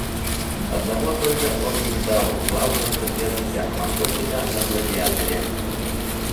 Одного только он не видал, главного соперника, Махотина на Гладиаторе.